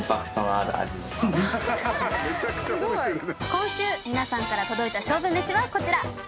今週皆さんから届いた勝負めしはこちら。